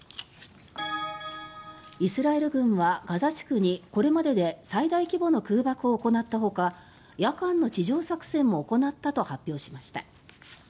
イスラエル軍はガザ地区にこれまでで最大規模の空爆を行ったほか夜間の地上作戦も行ったと発表しました。